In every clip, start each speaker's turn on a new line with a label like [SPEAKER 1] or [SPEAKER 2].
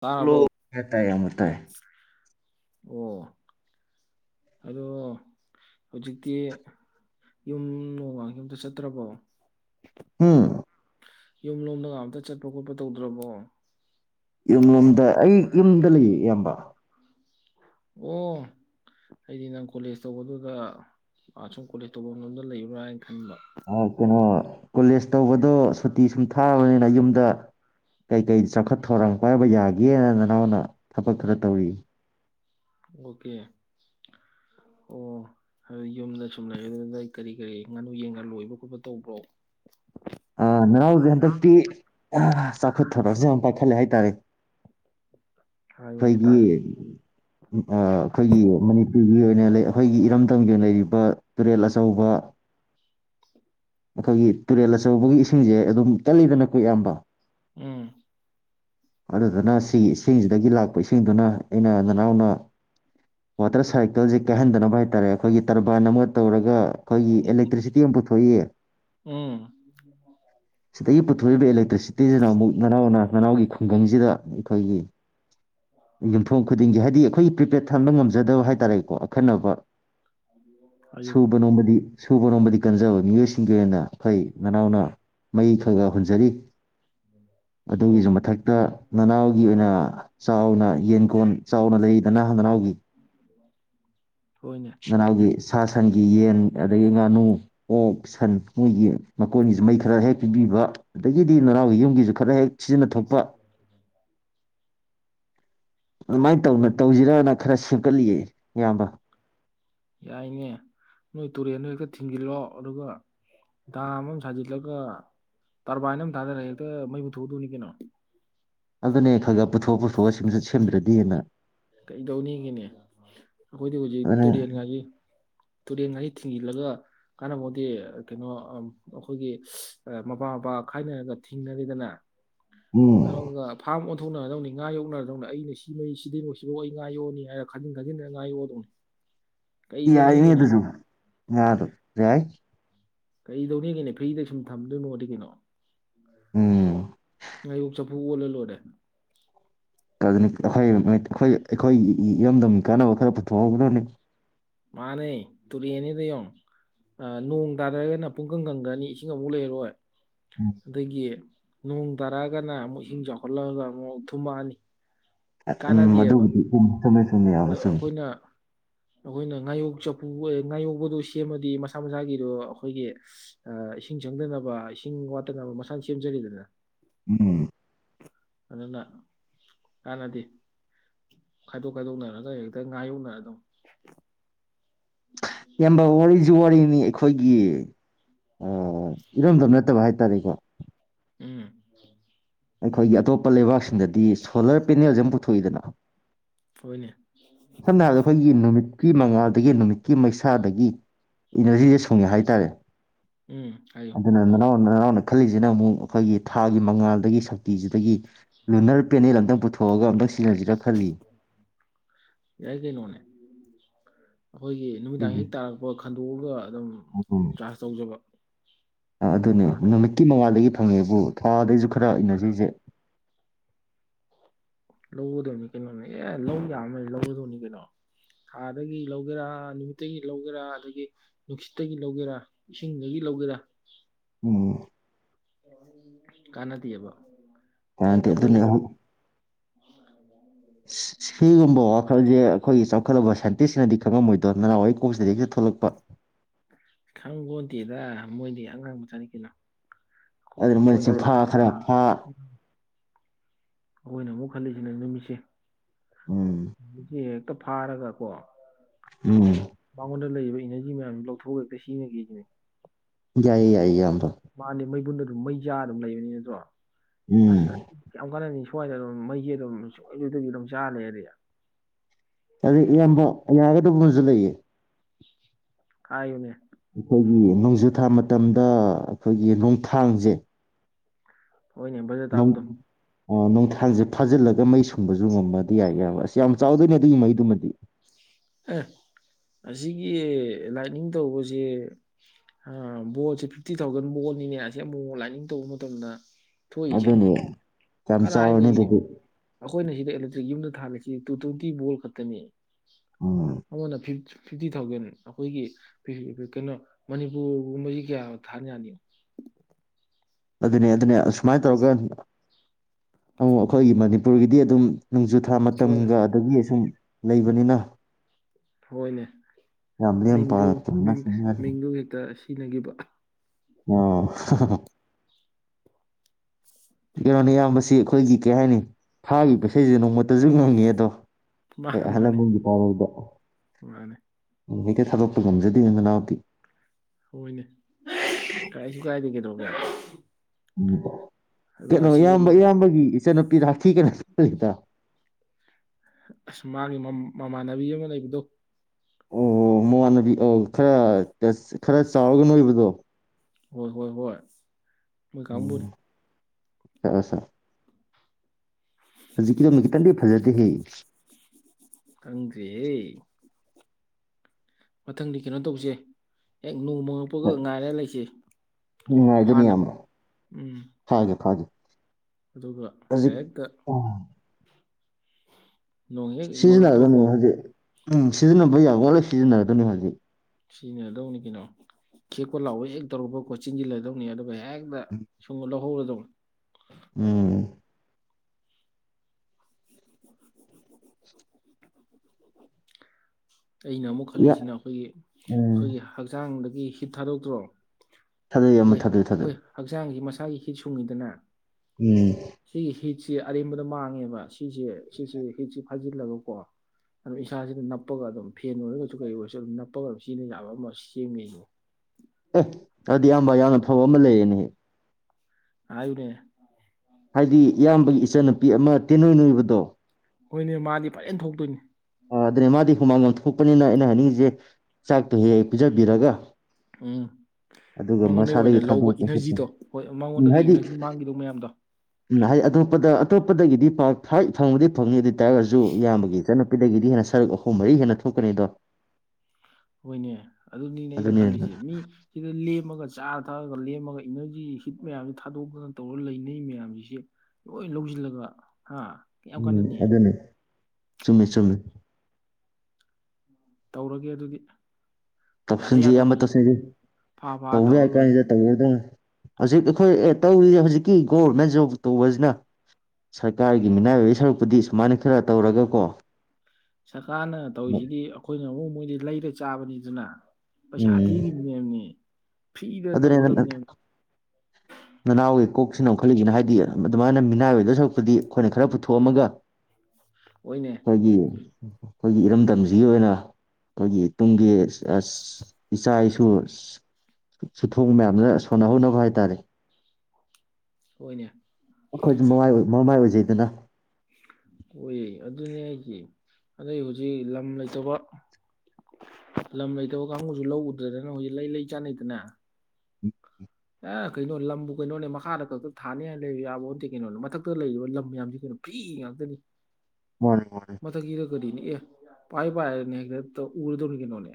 [SPEAKER 1] ꯇꯔꯥꯕꯣ?
[SPEAKER 2] Hello ꯈꯔ ꯇꯥꯏ ꯑꯃꯨ ꯇꯥꯏ꯫
[SPEAKER 1] ꯑꯣ ꯑꯗꯣ ꯍꯧꯖꯤꯛꯇꯤ ꯌꯨꯝꯀ ꯌꯨꯝꯇ ꯆꯠꯇ꯭ꯔꯕꯣ?
[SPEAKER 2] ꯍꯝ?
[SPEAKER 1] ꯌꯨꯝ ꯂꯣꯝꯗꯒ ꯑꯝꯇ ꯆꯠꯄ ꯈꯣꯠꯄ ꯇꯧꯗ꯭ꯔꯕꯣ?
[SPEAKER 2] ꯌꯨꯝꯂꯣꯝꯗ ꯑꯩ ꯌꯨꯝꯗ ꯂꯩꯌꯦ ꯏꯌꯥꯝꯕ꯫
[SPEAKER 1] ꯑꯣ ꯑꯩꯗꯤ ꯅꯪ ꯀꯣꯂꯦꯖ ꯇꯧꯕꯗꯨꯗ ꯑꯥ ꯁꯨꯝ ꯀꯣꯂꯦꯖ ꯇꯧꯕ ꯑꯃꯂꯣꯝꯗ ꯂꯩꯕ꯭ꯔꯥ ꯍꯥꯏꯅ ꯈꯟꯕ꯫
[SPEAKER 2] ꯀꯩꯅꯣ ꯀꯣꯂꯦꯖ ꯇꯧꯕꯗꯣ ꯁꯨꯇꯤ ꯁꯨꯝ ꯊꯥꯕꯅꯤꯅ ꯌꯨꯝꯗ ꯀꯩꯀꯩ ꯆꯥꯎꯈꯠ ꯊꯧꯔꯥꯡ ꯄꯥꯏꯕ ꯌꯥꯒꯦꯅ ꯅꯅꯥꯎꯅ ꯊꯕꯛ ꯈꯔ ꯇꯧꯔꯤ꯫
[SPEAKER 1] ꯑꯣꯀꯦ ꯑꯣ ꯑꯗꯨꯗꯤ ꯌꯨꯝꯗ ꯁꯨꯝ ꯂꯩꯕꯗꯨꯗ ꯑꯩ ꯀꯔꯤ ꯀꯔꯤ ꯉꯥꯅꯨ ꯌꯦꯟꯒ ꯂꯣꯏꯕ ꯈꯣꯠꯄ ꯇꯧꯕ꯭ꯔꯣ?
[SPEAKER 2] ꯑꯥꯥ ꯅꯥꯑꯣꯖꯦ ꯍꯟꯇꯥꯛꯇꯤ ꯆꯥꯎꯈꯠ ꯊꯔꯁꯨꯦ ꯌꯥꯝ ꯄꯥꯏꯈꯠꯂꯦ ꯍꯥꯏꯇꯥꯔꯦ꯫
[SPEAKER 1] ꯍꯥꯏꯌꯨꯅꯦ
[SPEAKER 2] ꯑꯩꯈꯣꯏꯒꯤ -
[SPEAKER 1] ꯇꯥꯁꯤ
[SPEAKER 2] ꯑꯩꯈꯣꯏꯒꯤ ꯃꯅꯤꯄꯨꯔꯒꯤ ꯑꯣꯏ ꯑꯩꯈꯣꯌꯒꯤ ꯑꯦꯔꯝꯗꯝ ꯒꯤ ꯂꯩꯔꯤꯕꯥ ꯇꯨꯔꯦꯜ ꯑꯆꯧꯕꯥ ꯑꯈꯣꯌꯒꯤ ꯇꯨꯔꯦꯜ ꯑ ꯑꯆꯧꯕꯒꯤ ꯏꯁꯤꯡꯁꯦ ꯑꯗꯨꯝ ꯀꯠꯂꯤꯗꯅꯀꯨ ꯑꯌꯥꯝꯕ꯫
[SPEAKER 1] ꯎꯝ꯫
[SPEAKER 2] ꯑꯗꯨꯗꯨꯅ ꯁꯤꯒꯤ ꯏꯁꯤꯡꯁꯤꯗꯒꯤ ꯂꯥꯛꯄ ꯏꯁꯤꯡꯗꯨꯅ ꯑꯩꯅ ꯅꯅꯥꯎꯅ ꯋꯥꯇꯔ ꯁꯥꯏꯀꯜꯁꯦ ꯀꯥꯏꯍꯟꯗꯅꯕ ꯍꯥꯏ ꯇꯥꯔꯦ ꯑꯩꯈꯣꯏꯒꯤ ꯇꯔꯕꯥꯟ ꯑꯃ ꯇꯧꯔꯒ ꯑꯩꯈꯣꯏꯒꯤ ꯑꯦꯂꯦꯛꯇ꯭ꯔꯤꯁꯤꯇꯤ ꯑꯃ ꯄꯨ [unintelligible]
[SPEAKER 1] ꯎꯝ꯫
[SPEAKER 2] ꯗꯥꯒꯤ ꯄꯨꯊꯣꯛ ꯏꯕ ꯏꯂꯦꯛꯇꯔꯤ [unintelligible] ꯑꯃꯨꯛ ꯅꯥ ꯅꯥꯎ ꯅꯥ ꯅꯥꯅꯥꯎꯒꯤ ꯈꯨꯡꯒꯪꯁꯤꯗ ꯑꯩꯈꯣꯏꯒꯤ ꯌꯨꯝꯊꯣꯡ ꯈꯨꯗꯤꯡꯒꯤ ꯍꯥꯏꯗꯤ ꯑꯩꯈꯣꯏꯒꯤ ꯄ꯭ꯔꯤꯄꯦꯔꯠ ꯊꯟꯕ ꯉꯝꯖꯗꯕ ꯍꯥꯏꯇꯥꯥꯔꯦꯀꯣ ꯑꯈꯟꯅꯕ
[SPEAKER 1] ꯑꯌꯨ
[SPEAKER 2] ꯁꯨꯕꯅꯣꯝꯕꯥꯗꯤ ꯁꯨꯕꯔꯣꯝꯕꯗꯤ ꯀꯟꯖꯕ ꯃꯤꯑꯣꯏꯁꯤꯡꯒꯤ ꯑꯣꯏꯅꯥ ꯈꯣꯏ ꯅꯅꯥꯎꯅ ꯃꯩ ꯈꯔꯥ ꯈꯔꯥ ꯍꯨꯟꯖꯔꯤ ꯑꯗꯨꯒꯤꯁꯨ
[SPEAKER 1] ꯑꯣ
[SPEAKER 2] ꯃꯊꯛꯇ ꯅꯅꯥꯎꯒꯤ ꯑꯣꯏꯅ ꯆꯥꯎꯅ ꯌꯦꯟꯀꯣꯟ ꯆꯥꯎꯅ ꯂꯩꯔꯤ ꯗꯅ ꯅꯅꯥꯎꯒꯤ
[SPEAKER 1] ꯍꯣꯏꯅꯦ
[SPEAKER 2] ꯃꯅꯥꯎꯒꯤ ꯁꯥ ꯁꯟꯒꯤ ꯌꯦꯟ ꯑꯗꯒꯤ ꯉꯥꯅꯨ ꯑꯣꯛ ꯁꯟ ꯍꯨꯏꯒꯤ ꯃꯀꯣꯟꯒꯤꯁꯨ ꯃꯩ ꯈꯔ ꯍꯦꯛ ꯄꯤꯕꯤꯕ ꯑꯗꯒꯤꯗꯤ ꯅꯅꯥꯎꯒꯤ ꯌꯨꯝꯒꯤꯁꯨ ꯈꯔ ꯍꯦꯛ ꯁꯤꯖꯤꯟꯅꯊꯣꯛꯄ ꯑꯗꯨꯃꯥꯏꯅ ꯇꯧꯅ
[SPEAKER 1] ꯍꯣꯏꯅꯦ
[SPEAKER 2] ꯇꯧꯁꯤꯔꯅꯥ ꯈꯔ ꯁꯦꯝꯒꯠꯂꯤꯌꯦ ꯏꯌꯥꯝꯕ
[SPEAKER 1] ꯌꯥꯏꯅꯦ ꯅꯣꯏ ꯇꯨꯔꯦꯟꯗ ꯍꯦꯛꯇ ꯊꯤꯡꯖꯤꯜꯂꯣ ꯑꯗꯨꯒ ꯗꯥꯝ ꯑꯃ ꯁꯥꯖꯤꯜꯂꯒ ꯇꯔꯕꯥꯏꯟ ꯑꯃ ꯊꯥꯗꯔꯒꯥ ꯍꯦꯛꯇ ꯃꯩ ꯄꯨꯨꯊꯣꯛꯑꯗꯣꯏꯅꯤ ꯀꯩꯅꯣ
[SPEAKER 2] ꯑꯗꯨꯅꯦ ꯈꯔ ꯈꯔ ꯄꯨꯊꯣꯛꯑ ꯄꯨꯊꯣꯛꯑ ꯁꯤꯁꯨ ꯁꯦꯝꯗ꯭ꯔꯗꯤꯅ
[SPEAKER 1] ꯀꯩꯗꯧꯅꯤꯒꯤꯅꯦ ꯑꯩꯈꯣꯏꯗꯤ ꯍꯧꯖꯤꯛ ꯇꯨꯔꯦꯟ
[SPEAKER 2] ꯑꯗꯨꯅ
[SPEAKER 1] ꯉꯥꯒꯤ ꯇꯨꯔꯦꯟ ꯉꯥꯔꯤ ꯊꯤꯡꯖꯤꯜꯂꯒ ꯀꯥꯟꯅꯕꯗꯤ ꯀꯩꯅꯣ ꯑꯩꯈꯣꯏꯒꯤ ꯃꯄꯥ ꯃꯄꯥ ꯈꯥꯏꯅꯔꯒ ꯊꯤꯡꯅꯔꯤꯗꯅ
[SPEAKER 2] ꯎꯝ
[SPEAKER 1] ꯑꯗꯨꯒꯥ ꯐꯥꯔꯝ ꯊꯣꯛꯧꯅꯔꯗꯧꯅꯤ ꯉꯥ ꯌꯣꯛꯅꯔꯗꯧꯅꯤ ꯑꯩꯅ ꯁꯤꯉꯩ ꯁꯤꯉꯩ ꯅꯥ ꯁꯣꯛ ꯑꯩ ꯉꯥ ꯌꯣꯛꯑꯅꯤ ꯍꯥꯏꯔ ꯈꯥꯖꯤꯟ ꯈꯥꯖꯤꯟꯗꯅ ꯉꯥ ꯌꯣꯛꯗꯧꯅꯤ
[SPEAKER 2] ꯌꯥꯏ ꯏ ꯑꯗꯨꯁꯨ ꯉꯥ ꯗꯣ ꯌꯥꯏ
[SPEAKER 1] ꯀꯩꯗꯧꯅꯤꯒꯤꯅꯦ ꯐ꯭ꯔꯤꯗ ꯁꯨꯝ ꯊꯝꯗꯣꯏꯅꯣꯗꯤ ꯀꯩꯅꯣ
[SPEAKER 2] ꯎꯝ
[SPEAKER 1] ꯉꯥꯌꯨꯛ ꯆꯐꯨ ꯑꯣꯜꯂ ꯂꯣꯏꯔꯦ
[SPEAKER 2] ꯑꯩꯈꯣꯏ ꯑꯩꯈꯣꯏ ꯑꯩꯈꯣꯏꯒꯤ ꯏꯔꯝꯗꯝꯒꯤ ꯀꯥꯟꯅꯕ ꯈꯔ ꯄꯨꯊꯣꯛꯍꯧꯒꯗꯕꯅꯤ
[SPEAKER 1] ꯃꯥꯅꯦ ꯇꯨꯔꯦꯟꯅꯤꯗ ꯌꯦꯡꯉꯨ ꯅꯣꯡ ꯇꯥꯗꯔꯒꯅ ꯄꯨꯡ ꯀꯪ ꯀꯪꯈ꯭ꯔꯅꯤ ꯏꯁꯤꯡ ꯑꯃꯨꯛ ꯂꯩꯔꯣꯏ ꯑꯗꯩꯩꯒꯤ ꯅꯣꯡ ꯇꯥꯔꯛꯑꯒꯅ ꯑꯃꯨꯛ ꯏꯁꯤꯡ ꯆꯥꯎꯈꯠꯂꯒ ꯑꯃꯨꯛ ꯊꯨꯝꯃꯛꯑꯅꯤ
[SPEAKER 2] ꯎꯝ
[SPEAKER 1] ꯀꯥꯟꯅꯗꯦꯕ
[SPEAKER 2] ꯑꯗꯨꯕꯨꯗꯤ ꯆꯨꯨꯝꯃꯦ ꯆꯨꯃꯃꯦ ꯏꯌꯝꯕ
[SPEAKER 1] ꯑꯗꯣ
[SPEAKER 2] ꯆꯨꯝꯃꯤ
[SPEAKER 1] ꯑꯩꯈꯣꯏꯅ ꯑꯩꯈꯣꯏꯅ ꯉꯥꯌꯣꯛ ꯆꯐꯨ ꯉꯥꯌꯣꯛꯄꯥꯗꯣ ꯁꯦꯝꯃꯗꯤ ꯃꯁꯥ ꯃꯁꯥꯒꯤꯗꯣ ꯑꯩꯈꯣꯏꯒꯤ ꯏꯁꯤꯡ ꯆꯪꯗꯅꯕ ꯏꯁꯤꯡ ꯋꯥꯠꯇꯅꯕ ꯃꯁꯥꯅ ꯁꯦꯝꯖꯅꯤ ꯗꯅꯥ
[SPEAKER 2] ꯎꯝ
[SPEAKER 1] ꯑꯗꯨꯅ ꯀꯥꯟꯅꯗꯦ ꯈꯥꯏꯗꯣꯛ ꯈꯥꯏꯗꯣꯛꯅꯔꯒ ꯍꯦꯛꯇ ꯉꯥ ꯌꯣꯛꯅ ꯔꯥꯗꯧꯅꯤ
[SPEAKER 2] ꯑꯦꯌꯝꯕꯥ ꯋꯥꯔꯤꯁꯨ ꯋꯥꯔꯤꯅꯤ ꯑꯩꯈꯣꯏꯒꯤ ꯏꯔꯝꯗꯝ ꯅꯠꯇꯕ ꯍꯥꯏꯇꯥꯔꯦꯀꯣ
[SPEAKER 1] ꯎꯝ
[SPEAKER 2] ꯑꯩꯈꯣꯏꯒꯤ ꯑꯇꯣꯞꯄ ꯂꯩꯕꯥꯛ ꯁꯤꯟ ꯗꯗꯤ ꯁꯣꯂꯔ ꯄꯦꯅꯦꯜ ꯑꯃ ꯄꯨꯊꯣꯛ [unintelligible]
[SPEAKER 1] [unintelligible]
[SPEAKER 2] ꯁꯝꯅ ꯍꯥꯏꯔꯕꯗ ꯑꯩꯈꯣꯏꯒꯤ ꯅꯨꯃꯤꯠ ꯀꯤ ꯃꯉꯥꯗꯒꯤ ꯅꯨꯃꯤꯠꯀꯤ ꯃꯩꯁꯥꯗꯒꯤ ꯏꯅꯔꯖꯤꯁꯦ ꯁꯨꯡꯉꯦ ꯍꯥꯏꯇꯥꯔꯦ꯫
[SPEAKER 1] ꯎꯝ ꯍꯥꯏꯌꯨ
[SPEAKER 2] ꯑꯗꯨꯅ ꯅꯅꯥꯎꯅꯥ ꯈꯜꯂꯤꯁꯤꯅ ꯑꯃꯨꯛ ꯑꯩꯈꯣꯏꯒꯤ ꯊꯥꯒꯤ ꯃꯉꯥꯜꯗꯒꯤ ꯁꯛ ꯇꯤꯁꯤꯗꯒꯤ ꯂꯨꯅꯔ ꯄꯦꯅꯦꯜ ꯑꯃꯇꯪ ꯄꯨꯊꯣꯛꯑꯒ ꯑꯃꯨꯛꯇꯪ ꯁꯤꯟꯅꯁꯤꯔ ꯈꯜꯂꯤ꯫
[SPEAKER 1] ꯌꯥꯏ ꯀꯩ ꯅꯣꯅꯦ꯫ ꯑꯩꯈꯣꯏꯒꯤ ꯅꯨꯃꯤꯗꯥꯡ ꯍꯦꯛ ꯇꯥꯔꯛꯄ ꯍꯟꯗꯣꯛꯑꯒ
[SPEAKER 2] ꯎ ꯑꯗꯨꯅꯦ ꯅꯨꯃꯤꯠꯀꯤ ꯃꯉꯥꯜꯗꯒꯤ ꯐꯪꯉꯦꯕꯨ ꯊꯥꯗꯩꯁꯨ ꯈꯔ ꯏꯅꯔꯖꯤꯁꯦ
[SPEAKER 1] ꯂꯧꯒꯗꯧꯅꯤ ꯀꯩꯅꯣꯅꯦ ꯑꯦ ꯂꯧ ꯌꯥꯝꯃ ꯂꯧꯒꯗꯧꯅꯤ ꯀꯩꯅꯣ ꯊꯥꯗꯒꯤ ꯂꯧꯒꯦꯔꯥ ꯅꯨꯃꯤꯠꯇꯒꯤ ꯂꯧꯒꯦꯔꯥ ꯑꯗꯒꯤ ꯅꯨꯡꯁꯤꯠꯇꯒꯤ ꯂꯧꯒꯦꯔꯥ ꯏꯁꯤꯡꯗꯒꯤ ꯂꯧꯒꯦꯔꯥ
[SPEAKER 2] ꯑꯣ꯫
[SPEAKER 1] ꯀꯥꯟꯅꯗꯦꯕꯥ
[SPEAKER 2] ꯀꯥꯟꯅꯗꯦ ꯑꯗꯨꯅꯦ ꯁꯤꯒꯨꯝꯕ ꯋꯥꯈꯜ ꯖꯦ ꯑꯩꯈꯣꯏꯒꯤ ꯆꯥꯎꯈꯠꯂꯕ ꯁꯥꯏꯟꯇꯤꯁꯁꯤꯡꯅꯗꯤ ꯈꯪꯉꯝꯃꯣꯏꯗꯣ ꯅꯅꯥꯍꯎꯋꯥꯏ ꯀꯣꯁꯤꯇꯗꯒꯤ ꯍꯦꯛꯇ ꯊꯣꯛꯂꯛꯄ꯫
[SPEAKER 1] ꯈꯪꯕꯣꯟꯗꯦꯗ ꯃꯣꯏꯗꯤ ꯑꯉꯥꯡꯕ ꯆꯥꯅꯤ ꯀꯅꯣ꯫
[SPEAKER 2] ꯑꯗꯨꯅ ꯃꯣꯌꯗꯤ ꯆꯤꯅꯐꯥ ꯈꯔꯥ ꯐꯥ
[SPEAKER 1] ꯑꯩꯈꯣꯏꯅ ꯑꯃꯨꯛ ꯈꯜꯂꯤꯁꯤꯅꯦ ꯅꯨꯃꯤꯠꯁꯦ
[SPEAKER 2] ꯎꯝ
[SPEAKER 1] [unintelligible] ꯇ ꯐꯥꯔꯒ ꯀꯣ
[SPEAKER 2] ꯎꯝ꯫
[SPEAKER 1] ꯂꯩꯔꯤꯕ ꯏꯅꯔꯖꯤ ꯃꯌꯥꯝ ꯂꯧꯊꯣꯛꯈꯛꯇ ꯁꯤꯖꯤꯟꯅꯒꯦꯁꯤꯅꯦ꯫
[SPEAKER 2] ꯌꯥꯏꯌꯦ ꯌꯥꯏꯌꯦ ꯏꯌꯥꯝꯕ꯫
[SPEAKER 1] ꯃꯥꯗꯤ ꯃꯩꯕꯨꯟꯗ ꯑꯗꯨꯝ ꯃꯩꯆꯥꯥ ꯑꯗꯨꯝ ꯂꯩꯕꯅꯤ ꯅꯠꯇ꯭ꯔꯣ꯫ ꯑꯁ
[SPEAKER 2] ꯎꯝ
[SPEAKER 1] ꯀꯌꯥꯝ ꯀꯅꯥꯅꯤ ꯁꯋꯥꯏꯗ ꯑꯗꯨꯝ ꯃꯩꯒꯤ ꯑꯗꯨꯝ ꯁꯨꯡꯂꯦꯞ ꯂꯦꯞꯇꯕꯤ ꯑꯗꯨꯝ ꯆꯥꯛꯂꯩꯔꯗꯤ꯫
[SPEAKER 2] ꯀꯔꯤ ꯏꯌꯥꯝꯕ ꯌꯥꯔꯦ [unintelligible]
[SPEAKER 1] ꯍꯥꯏꯌꯨꯅꯦ꯫
[SPEAKER 2] ꯑꯩꯈꯣꯏꯒꯤ ꯅꯣꯡꯖꯨꯊꯥ ꯃꯇꯝꯗ ꯑꯩꯈꯣꯏꯒꯤ ꯅꯣꯡ ꯊꯥꯡ ꯖꯦ
[SPEAKER 1] ꯍꯣꯏꯅꯦ ꯕꯖꯔ ꯇꯥꯕꯗꯣ꯫
[SPEAKER 2] ꯅꯨꯡꯊꯥꯡꯁꯦ ꯐꯥꯖꯤꯜꯂꯒ ꯃꯩ ꯁꯨꯡꯕꯁꯨ ꯉꯝꯃꯗꯤ ꯌꯥꯏ ꯌꯥꯕ ꯑꯁ ꯌꯥꯝ ꯆꯥꯎꯗꯣꯏꯅꯦ ꯑꯗꯨꯒꯤ ꯃꯩꯗꯨꯃꯗꯤ
[SPEAKER 1] ꯑꯦ ꯑꯁꯤꯒꯤ ꯂꯥꯏꯅꯤꯡ ꯇꯧꯕꯁꯦ ꯕꯣꯜꯁꯦ ꯐꯤꯐꯇꯤ ꯊꯥꯎꯖꯟ ꯕꯣꯜꯅꯤꯅꯦ ꯑꯁꯤ ꯑꯃꯨꯛ ꯂꯥꯏꯅꯤꯡ ꯇꯧꯕ ꯃꯇꯝꯗ ꯊꯣꯛꯏꯁꯦ
[SPEAKER 2] ꯑꯗꯨꯅꯦ ꯌꯥꯝ ꯆꯥꯎꯔꯅꯤ
[SPEAKER 1] ꯀꯔꯥꯏꯗꯒꯤ
[SPEAKER 2] ꯑꯗꯨꯗꯤ
[SPEAKER 1] ꯑꯩꯈꯣꯏꯅ ꯁꯤꯗ ꯑꯦꯂꯦꯛꯇ꯭ꯔꯤꯛ ꯌꯨꯝꯗ ꯊꯥꯂꯤꯁꯦ ꯇꯨ ꯇꯗꯤ ꯣꯜ ꯈꯇꯅꯤ
[SPEAKER 2] ꯎꯝ
[SPEAKER 1] ꯑꯃꯃꯅ ꯐꯤ ꯐꯤꯐꯇꯤ ꯊꯥꯎꯖꯟ ꯑꯩꯈꯣꯏꯒꯤ ꯀꯩꯅꯣ ꯃꯅꯤꯄꯨꯔꯒꯨꯝꯕꯁꯤ ꯀꯌꯥ ꯊꯥꯅ ꯌꯥꯅꯤ
[SPEAKER 2] ꯑꯗꯨꯅꯦ ꯑꯗꯨꯅꯦ ꯑꯁꯨꯃꯥꯏꯅ ꯇꯧꯔꯒ ꯑꯃ ꯑꯩꯈꯣꯏꯒꯤ ꯃꯅꯤꯄꯨꯔꯒꯤꯗꯤ ꯑꯗꯨꯝ ꯅꯣꯡꯖꯨꯊꯥ
[SPEAKER 1] ꯁꯣꯏꯔꯦ
[SPEAKER 2] ꯃꯇꯝꯒ ꯑꯗꯒꯤ ꯑꯁꯨꯝ ꯂꯩꯕꯅꯤꯅ
[SPEAKER 1] ꯍꯣꯏꯅꯦ
[SPEAKER 2] ꯌꯥꯝ ꯂꯦꯝ
[SPEAKER 1] ꯃꯤꯗꯨ
[SPEAKER 2] ꯄꯥꯔꯛꯇꯕꯅ ꯁꯤꯅꯤꯡꯉꯥꯏꯁꯦ
[SPEAKER 1] ꯃꯤꯗꯨ ꯍꯦꯛꯇ ꯀꯤꯅꯈꯤꯕ
[SPEAKER 2] ꯑꯣ ꯀꯩꯅꯣꯅꯦ ꯏꯌꯥꯝꯕꯁꯤ ꯑꯩꯈꯣꯏꯒꯤ ꯀꯩ ꯍꯥꯏꯅꯤ ꯐꯥꯈꯤꯕ ꯄꯩꯁꯩꯁꯤꯗ ꯅꯣꯡꯃꯇꯁꯨ ꯉꯪꯉꯦ ꯑꯗꯣ ꯑꯦ
[SPEAKER 1] ꯃꯥꯅꯦ
[SPEAKER 2] ꯍꯂ
[SPEAKER 1] ꯃꯥꯅꯦ
[SPEAKER 2] ꯃꯟꯗꯤ ꯀꯗ
[SPEAKER 1] ꯃꯥꯅꯦ
[SPEAKER 2] ꯎꯝ ꯍ ꯊꯥꯗꯣꯛꯄꯒꯝꯖꯗꯤꯗꯅꯗꯤ
[SPEAKER 1] ꯍꯣꯏꯅꯦ ꯀꯥꯏꯁꯨ ꯀꯥꯏꯗꯒꯦ [inaudible]
[SPEAKER 2] ꯎꯝ ꯀꯩꯅꯣ ꯏꯌꯥꯝꯕ ꯏꯌꯥꯝꯕꯒꯤ ꯆꯅ ꯅꯨꯄꯤ ꯔꯥꯈꯤ ꯀꯅ ꯂꯩꯗ
[SPEAKER 1] ꯑꯁ ꯃꯥꯒꯤ ꯃꯃꯥꯟꯅꯕꯤ ꯑꯃ ꯂꯩꯕꯗꯣ
[SPEAKER 2] ꯑꯣ ꯃꯃꯥꯟꯅꯕꯤ ꯑꯣ ꯈꯔ ꯈꯔ ꯆꯥꯎꯔꯒ ꯅꯣꯏꯕꯗꯣ
[SPEAKER 1] ꯍꯣꯏ ꯍꯣꯏ ꯍꯣꯏ ꯃꯣꯏ ꯀꯕꯨ
[SPEAKER 2] ꯁ ꯍꯧꯖꯤꯛ ꯀꯗꯣꯃꯤ ꯈꯤꯇꯪꯗꯤ ꯐꯖꯗꯦ ꯍꯦ
[SPEAKER 1] ꯇꯟꯔꯤ ꯃꯊꯪꯗꯤ ꯀꯩꯅꯣ ꯇꯧꯁꯦ ꯅꯣꯡꯃꯉꯛꯄꯒ ꯉꯥꯏꯔꯒ ꯂꯩꯁꯦ
[SPEAKER 2] ꯅꯨꯡꯉꯥꯏꯗꯣꯏꯅꯤ
[SPEAKER 1] ꯐꯥꯅꯕ
[SPEAKER 2] ꯏꯌꯥꯝꯕ
[SPEAKER 1] ꯎꯝ
[SPEAKER 2] ꯐꯥꯒꯦ ꯐꯥꯒꯦ
[SPEAKER 1] ꯑꯗꯨꯒ
[SPEAKER 2] ꯍꯧꯖꯤꯛ
[SPEAKER 1] ꯍꯦꯛꯇ
[SPEAKER 2] ꯑꯣ
[SPEAKER 1] ꯅꯣꯡ ꯍꯦꯛ
[SPEAKER 2] ꯁꯤꯖꯤꯟꯅꯒꯅ
[SPEAKER 1] ꯃꯪꯉꯛꯄꯀꯣ
[SPEAKER 2] ꯍꯧꯖꯤꯛ ꯎꯝ ꯁꯤꯖꯤꯟꯅꯕ ꯌꯥ ꯋꯥꯠꯂ ꯁꯤꯖꯤꯟꯅꯗꯣꯏꯅꯤ ꯍꯧꯖꯤꯛ
[SPEAKER 1] ꯁꯤꯖꯤꯟꯅꯗꯧꯅꯤ ꯀꯩꯅꯣ ꯀꯦꯛꯄ ꯂꯥꯛꯑꯣ ꯍꯦꯛ ꯇꯧꯔꯨꯕ ꯀꯣꯆꯤꯡꯁꯤꯂꯗꯧꯅꯤ ꯑꯗꯨꯒ ꯍꯦꯛ ꯁꯨꯡ ꯂꯧꯍꯧꯔꯗ
[SPEAKER 2] ꯎꯝ
[SPEAKER 1] ꯑꯩꯅ ꯑꯃꯨꯛ
[SPEAKER 2] ꯌꯥ
[SPEAKER 1] ꯈꯜꯂꯤꯁꯤꯅ ꯑꯩꯈꯣꯏꯒꯤ
[SPEAKER 2] ꯎꯝ
[SPEAKER 1] ꯑꯩꯈꯣꯏꯒꯤ ꯍꯛꯆꯥꯡꯗ ꯒꯤ ꯍꯤꯠ ꯊꯥꯗꯣꯛꯇ꯭ꯔꯣ
[SPEAKER 2] ꯊꯥꯗꯩ ꯑꯃ
[SPEAKER 1] ꯑꯩꯈꯣꯏ
[SPEAKER 2] ꯊꯥꯗꯩ ꯊꯥꯗꯩ
[SPEAKER 1] ꯑꯩꯈꯣꯏ ꯍꯛꯆꯥꯡꯒꯤ ꯃꯁ ꯏꯁꯥꯒꯤ ꯍꯤꯠ ꯁꯨꯡꯉꯤꯗꯅ
[SPEAKER 2] ꯎꯝ
[SPEAKER 1] ꯁꯤ ꯑꯔꯦꯝꯕꯗ ꯃꯥꯡꯉꯦꯕ ꯁꯤꯁꯦ ꯁꯤꯁꯦ ꯍꯤꯠꯁꯤ ꯐꯩꯖꯤꯜꯂꯒꯀꯣ ꯑꯗꯨ ꯏꯁꯥꯁꯤꯗ ꯅꯞꯄꯒ ꯑꯗꯨꯝ ꯐꯦꯟ ꯑꯣꯏꯔꯒꯁꯨ ꯀꯔꯤ ꯑꯣꯏꯔꯁꯨ ꯑꯗꯨꯝ ꯅꯞꯄꯒ ꯑꯗꯨꯝ ꯁꯤꯖꯤꯟꯅ ꯌꯥꯕ ꯑꯃ ꯁꯦꯝꯦꯡꯉꯩꯅꯦ
[SPEAKER 2] ꯑꯦ ꯑꯗꯨꯗꯤ ꯑꯌꯥꯝꯕ ꯌꯥꯝꯅ ꯐꯕ ꯑꯃ ꯂꯩꯌꯦꯅꯦꯍ
[SPEAKER 1] ꯍꯥꯏ ꯏꯅꯦꯦ
[SPEAKER 2] ꯍꯥꯏꯗꯤ ꯏꯌꯥꯝꯕꯒꯤ ꯏꯆꯟꯅꯨꯄꯤ ꯑꯃ ꯇꯦꯅꯣꯏ ꯅꯣꯏꯕꯗꯣ
[SPEAKER 1] ꯍꯣꯏꯅꯦ ꯃꯥꯗꯤ ꯐꯖꯅ ꯊꯣꯛꯇꯣꯏꯅꯤ
[SPEAKER 2] ꯑ ꯑꯗꯨꯅꯦ ꯃꯥꯗꯤ ꯍꯨꯃꯥꯡ ꯌꯥꯝ ꯊꯣꯛꯣꯛꯄꯅꯤꯅ ꯑꯩꯅ ꯍꯥꯏꯅꯤꯡꯉꯤꯁꯦ ꯆꯥꯛꯇꯣ ꯍꯦꯛ ꯍꯦꯛ ꯄꯤꯖꯕꯤꯔꯒ
[SPEAKER 1] ꯎꯝ
[SPEAKER 2] ꯑꯗꯨꯒ
[SPEAKER 1] ꯃꯉꯣꯟꯗꯒꯤ ꯑꯣꯏꯅ
[SPEAKER 2] ꯃꯁꯥꯗꯒꯤ
[SPEAKER 1] ꯂꯧꯕ
[SPEAKER 2] ꯊꯥꯗꯣꯛꯄ ꯈꯣꯠꯄ
[SPEAKER 1] ꯏꯅꯔꯖꯤꯗꯣ ꯍꯣꯏ ꯃꯉꯣꯟꯗꯒꯤ ꯏꯅꯔꯖꯤ ꯃꯥꯡꯈꯤꯗꯕ ꯃꯌꯥꯝꯗꯣ
[SPEAKER 2] ꯎ ꯍꯥꯏꯗꯤ ꯑꯇꯣꯞꯄꯗ ꯑꯇꯣꯞꯄꯗꯒꯤꯗꯤ ꯄꯥꯛ ꯊꯋꯥꯏ ꯐꯪꯕꯗꯤ ꯐꯪꯅꯤ ꯑꯗꯨ ꯇꯥꯔꯒꯁꯨ ꯏꯕꯒꯤꯗꯤ ꯏꯆꯟꯅꯨꯄꯤꯗꯒꯤꯗꯤ ꯍꯦꯟꯅ ꯁꯔꯨꯛ ꯑꯍꯨꯝ ꯃꯔꯤ ꯍꯦꯟꯅ ꯊꯣꯛꯀꯅꯤꯗꯣ
[SPEAKER 1] ꯍꯣꯏꯅꯦ ꯑꯗꯨꯅꯤꯅꯦ ꯑꯩꯅ
[SPEAKER 2] ꯑꯗꯨꯅꯤꯅ
[SPEAKER 1] ꯈꯜꯂꯤꯁꯦ ꯃꯤ ꯁꯤꯗꯞ ꯊꯃꯒ ꯆꯥꯔ ꯊꯛꯑꯒ ꯂꯦꯝꯃꯒ ꯏꯅꯔꯖꯤ ꯍꯤꯠ ꯃꯌꯥꯝꯁꯤ ꯊꯥꯗꯣꯛꯇꯅ ꯇꯧꯔ ꯂꯩꯅꯩ ꯃꯌꯥꯝꯁꯤꯁꯦ ꯂꯣꯏ ꯂꯧꯁꯤꯜꯂꯒ ꯍꯥ ꯀ ꯌꯥꯝ ꯀꯥꯟꯅꯅꯤꯌꯦ
[SPEAKER 2] ꯆꯨꯝꯃꯦ ꯆꯨꯝꯃꯦ
[SPEAKER 1] ꯇꯧꯔꯒꯦ ꯑꯗꯨꯒꯤ
[SPEAKER 2] ꯇꯧꯁꯤꯟꯁꯤ ꯑꯃ ꯇꯧꯁꯤꯟꯁꯤ
[SPEAKER 1] ꯐꯥ ꯐꯥ
[SPEAKER 2] ꯇꯧꯕ
[SPEAKER 1] ꯇꯧꯔ
[SPEAKER 2] ꯌꯥꯏ
[SPEAKER 1] ꯂꯣꯏꯔꯦ
[SPEAKER 2] ꯀꯥꯟꯁꯤꯗ ꯇꯧꯗꯧ ꯍꯧꯖꯤꯛ ꯑꯩꯈꯣꯏ ꯑꯦ ꯇꯧꯔꯤꯁꯦ ꯍꯧꯖꯤꯛꯀꯤ ꯒꯣꯚꯔꯃꯦꯟ ꯖꯣꯕ ꯇꯧꯕꯁꯤꯅ ꯁꯔꯀꯥꯔꯒꯤ ꯃꯤꯅꯥꯏꯕꯒꯤ ꯁꯔꯨꯛꯄꯨꯗꯤ ꯁꯨꯃꯥꯏꯅ ꯈꯔ ꯇꯧꯔꯒꯀꯣ
[SPEAKER 1] ꯁꯔꯀꯥꯔꯅ ꯇꯧꯔꯤꯁꯤꯗꯤ ꯑꯩꯈꯣꯏꯅ ꯑꯃꯨꯛ ꯃꯣꯏꯗꯤ ꯂꯩꯔ ꯆꯥꯕꯅꯤ ꯑꯗꯨꯅ ꯄꯩꯁꯥ ꯊꯤꯔꯤꯕꯅꯦꯦꯝꯅꯦ
[SPEAKER 2] ꯑꯗꯨ ꯅꯎ ꯀꯣ ꯇꯛꯁꯤꯟꯅ ꯑꯣꯟꯈꯠꯂꯤꯁꯤꯅ ꯍꯥꯏꯗꯤ ꯑꯗꯨꯃꯥꯏꯅ ꯃꯤꯅꯥꯏ ꯑꯣꯏꯗꯕ ꯁꯔꯨꯄꯗꯤ ꯑꯩꯈꯣꯏꯅ ꯈꯔ ꯄꯨꯊꯣꯛꯑꯝꯃꯒ
[SPEAKER 1] ꯍꯣꯏꯅꯦ
[SPEAKER 2] ꯍꯥꯏꯒꯤ ꯑꯩꯈꯣꯏꯒꯤ ꯏꯔꯝꯗꯝꯁꯤꯒꯤ ꯑꯣꯏꯅ ꯑꯩꯈꯣꯏꯒꯤ ꯇꯨꯡꯒꯤ ꯏꯆꯥ ꯏꯁꯨ ꯁꯨꯊꯣꯡ ꯃꯌꯥꯝꯗꯨ ꯁꯣꯟꯅꯍꯧꯅꯕ ꯍꯥꯏꯇꯥꯔꯦ
[SPEAKER 1] ꯍꯅ
[SPEAKER 2] ꯃꯈꯈꯣꯏ ꯃꯉꯥꯏ ꯑꯣꯏ ꯃꯃꯥꯏ ꯑꯣꯏꯖ ꯏꯗꯂ
[SPEAKER 1] ꯍꯑ ꯑꯗꯨꯅꯦ ꯑꯩꯒꯤ ꯑꯗꯩ ꯍꯧꯖꯤꯛ ꯂꯝ ꯂꯩꯇꯕ ꯂꯝ ꯂꯩꯇꯕ ꯀꯥꯡꯕꯨꯁꯨ ꯂꯧ ꯎꯗ꯭ꯔꯗꯅ ꯍꯧꯖꯤꯛ ꯂꯩ ꯂꯩ ꯆꯥꯅꯩꯗꯅ ꯑꯦ ꯀꯩꯅꯣ ꯂꯝꯕꯨ ꯀꯩꯅꯣꯅꯦ ꯃꯈꯥꯗ ꯈꯛꯇ ꯊꯥꯅꯤ ꯍꯥꯏꯅ ꯂꯩꯕ ꯌꯥꯕꯗꯤꯦ ꯀꯩꯅꯣꯅꯦ ꯃꯊꯛꯇ ꯂꯩꯔꯤꯕ ꯂꯝ ꯃꯌꯥꯝꯁꯤ ꯀꯩꯅꯣ ꯐ꯭ꯔꯤ ꯉꯥꯛꯇꯅꯤ
[SPEAKER 2] ꯃꯥꯅꯦ ꯃꯥꯅꯤ
[SPEAKER 1] ꯑꯗꯨꯗꯤꯅꯦ ꯑꯦ ꯄꯥꯏꯕꯥꯏꯅ ꯍꯦꯛꯇ ꯎꯔꯗꯝꯅꯦ ꯀꯩꯅꯣꯅꯦ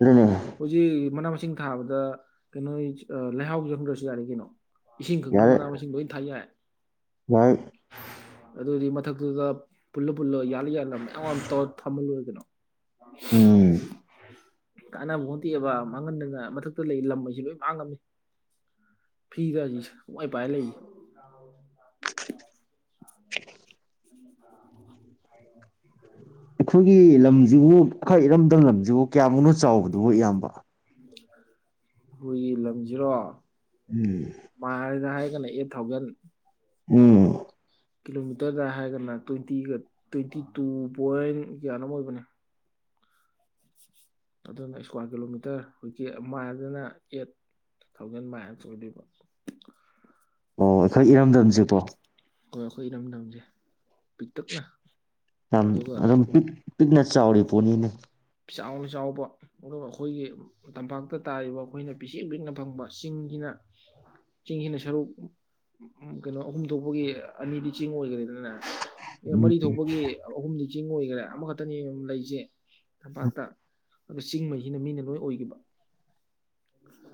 [SPEAKER 2] ꯑꯗꯨꯅꯦ
[SPEAKER 1] ꯍꯧꯖꯤꯛ ꯃꯥꯅ ꯁꯤꯡ ꯊꯥꯕꯗ ꯀꯩꯅꯣ ꯂꯩꯍꯥꯎ ꯌꯥꯎꯍꯟꯗ꯭ꯔꯁꯨ ꯌꯥꯔꯦ ꯀꯩꯅꯣ ꯏꯁꯤꯡ ꯀꯪꯅꯕ
[SPEAKER 2] ꯌꯥꯔꯦ
[SPEAKER 1] ꯃꯅꯥ ꯃꯁꯤꯡ ꯂꯣꯏꯅ ꯊꯥ ꯌꯥꯏ
[SPEAKER 2] [inaudible]
[SPEAKER 1] ꯑꯗꯨꯗꯤ ꯃꯊꯛꯇꯨꯗ ꯄꯨꯂ ꯄꯨꯂ ꯌꯥꯜꯂ ꯌꯥꯜꯂ ꯃꯌꯥꯝꯑꯝ ꯇꯧꯔ ꯊꯝꯃꯥ ꯂꯣꯏꯔ ꯀꯩꯅꫭ
[SPEAKER 2] ꯎꯝ
[SPEAKER 1] [inaudible] ꯀꯥꯟꯅꯕ ꯄꫭꯟꯇꯦꯑꯦꯕ ꯃꯥꯡꯍꯟꯗꯅ ꯃꯊꯛꯇ ꯂꯩ ꯂꯝꯑꯖꯦ ꯂꯣꯏ ꯃꯥꯡꯉꯝꯃꯤ ꯐꯤꯔꯗ ꯍꯩꯖꯤꯛ ꯀꫭꯄꯥꯏ ꯄꯥꯏꯔ ꯂꯩꯖꯦ
[SPEAKER 2] [inaudible]
[SPEAKER 1] [inaudible]
[SPEAKER 2] ꯑꯈꯣꯏꯒꯤ ꯂꯝꯖꯤꯕꯨ ꯈꯔ ꯏꯔꯝꯗꯝ ꯂꯝꯁꯤꯕꯨ ꯀꯌꯥꯃꯨꯛꯅꯣ ꯆꯥꯎꯕꯗꯨꯕꯨꯣ ꯏꯌꯥꯝꯕ
[SPEAKER 1] ꯑꯩꯈꯣꯏꯒꯤ ꯂꯝꯖꯤꯔꯣ
[SPEAKER 2] ꯎꯝ
[SPEAKER 1] [unintelligible] [unintelligible] ꯑꯩꯠ ꯊꯥꯎꯖꯟ
[SPEAKER 2] ꯎꯝ
[SPEAKER 1] ꯀꯤꯂꯣꯃꯤꯇꯔꯗ ꯍꯥꯏꯔꯒꯅ ꯇ꯭ꯋꯦꯟꯇꯤꯒ ꯇ꯭ꯋꯦꯟꯇꯤ ꯇꯨ ꯄꯣꯏꯟ ꯀꯌꯥꯅꫭꯝ ꯑꯣꯏꯕꯅꯦ ꯑꯗꯨꯅ ꯏꯁꯀ꯭ꯋꯥꯔ ꯀꯤꯂꯣꯃꯤꯇꯔ ꯍꯧꯖꯤꯛ ꯃꫭꯏ ꯌꯥꯏꯗꫭꯅꫭ ꯑꯦꯠ ꯊꯥꯎꯖꯟ ꯃꯥꯏꯜꯁ ꯑꯣꯏꯗꯣꯏꯕ
[SPEAKER 2] ꯑꯣ ꯑꯩꯈꯣꯏ ꯏꯔꯝꯗꯝꯁꯦꯀꯣ
[SPEAKER 1] ꯍꯣꯏ ꯑꯈꯣꯏ ꯏꯔꯝꯗꯝꯁꯦ ꯄꯤꯛꯇꯛꯅ
[SPEAKER 2] ꯍꯝ
[SPEAKER 1] ꯑꯗꯨꯒ
[SPEAKER 2] ꯑꯗꯨꯝ ꯃꯤꯛ ꯄꯤꯛꯅ ꯆꯥꯎꯔꯤ ꯄꯣꯠꯅꯤꯅꯦ
[SPEAKER 1] ꯆꯥꯎꯅ ꯆꯥꯎꯕ ꯑꯗꯨꯒ ꯑꯈꯣꯏꯒꯤ ꯇꯝꯄꯥꯛꯇ ꯇꯥꯔꯤꯕ ꯑꯈꯣꯏꯅ ꯄꯤꯁꯤꯡ ꯄꯤꯛꯅ ꯐꯪꯕ ꯆꯤꯡꯁꯤꯅ ꯆꯤꯡꯁꯤꯅ ꯁꯔꯨꯛ ꯀꯩꯅꯣ ꯑꯍꯨꯝ ꯊꯣꯛꯄꯒꯤ ꯑꯅꯤꯗꯤ ꯆꯤꯡ ꯑꯣꯏꯒ꯭ꯔꯦ ꯑꯗꯨꯅ ꯑꯦ
[SPEAKER 2] ꯎꯝ
[SPEAKER 1] ꯃꯔꯤ ꯊꯣꯛꯄꯒꯤ ꯑꯍꯨꯝ ꯆꯤꯡ ꯑꯣꯏꯒꯦꯔꯦ ꯑꯃꯈꯛꯇꯅꯦ ꯂꯩꯖꯦ ꯊꯝꯄꯥꯛꯇ ꯑꯗꯨ ꯆꯤꯡ ꯃꯩꯖꯤꯅ ꯃꯤꯅ ꯂꯣꯏ ꯑꯣꯏꯈꯤꯕ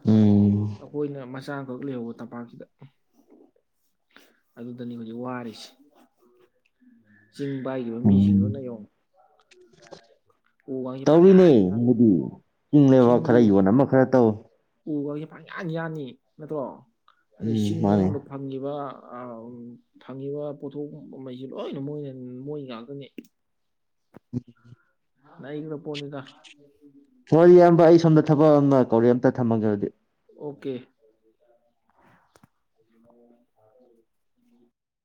[SPEAKER 2] ꯎꯝ
[SPEAKER 1] ꯑꯈꯣꯏꯅ ꯃꯆꯥ ꯊꯕꯛ ꯂꯩꯍꯧꯕ ꯇꯝꯄꯥꯛꯁꯤꯗ ꯑꯗꯨꯗꯅꯤ ꯍꯧꯖꯤꯛ ꯋꯥꯔꯤꯖꯦ ꯆꯤꯡ ꯄꯥꯏꯈꯤꯕ
[SPEAKER 2] ꯎꯝ
[SPEAKER 1] ꯃꯤꯁꯤꯡꯗꯨꯅ ꯌꯦꯡꯉꯨ ꯎꯒꯁꯦ
[SPEAKER 2] ꯇꯧꯔꯤꯅꯦ
[SPEAKER 1] ꯄꯪꯌꯥꯟ ꯌꯥꯜꯂꯤ
[SPEAKER 2] ꯃꯤꯗꯤ ꯆꯤꯡꯂꯩꯕꯛ ꯈꯔ ꯌꯣꯟ ꯑꯃ ꯈꯔ ꯌꫭꯟ
[SPEAKER 1] ꯎ ꯋꯥꯖꯦ ꯄꯡꯌꯥꯟ ꯌꯥꯟꯅꯤ ꯅꯠꯇ꯭ꯔꯣ ꯑꯗꯩ
[SPEAKER 2] ꯎꯝ
[SPEAKER 1] ꯆꯤꯡ
[SPEAKER 2] ꯃꯥꯅꯦ
[SPEAKER 1] ꯃꯅꯨꯡꯗ ꯐꯪꯉꯤꯕ ꯐꯪꯉꯤꯕ ꯄꯣꯠꯊꯣꯛꯉꯩꯁꯤ ꯂꯣꯏꯅ ꯃꯣꯏꯅ ꯃꯣꯏ ꯉꯥꯛꯇꯅꯤ
[SPEAKER 2] [unintelligible]
[SPEAKER 1] ꯅꯩꯒ꯭ꯔ ꯄꫭꯠꯅꯤꯗ
[SPEAKER 2] ꯍꯣꯏ ꯏꯌꯥꯝꯕ ꯑꯩ ꯁꯣꯝꯗ ꯊꯕꯛ ꯑꯃ ꯀꯧꯔꯦ ꯑꯝꯇ ꯊꯝꯃꯒꯦꯕꯗꯤ
[SPEAKER 1] ꯑꯣꯀꯦ [inaudible]